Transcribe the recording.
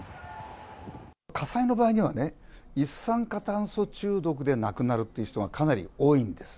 火災の場合にはね、一酸化炭素中毒で亡くなるっていう人が、かなり多いんです。